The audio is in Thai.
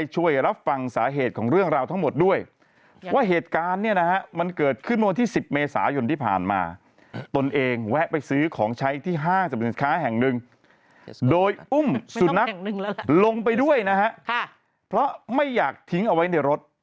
แห่งหนึ่งโดยอุ้มสุนัขลงไปด้วยนะฮะค่ะเพราะไม่อยากทิ้งเอาไว้ในรถ